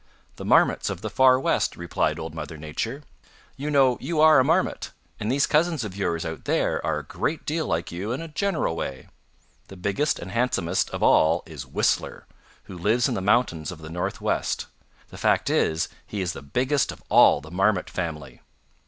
"The Marmots of the Far West," replied Old Mother Nature. "You know, you are a Marmot, and these cousins of yours out there are a great deal like you in a general way. The biggest and handsomest of all is Whistler, who lives in the mountains of the Northwest. The fact is, he is the biggest of all the Marmot family."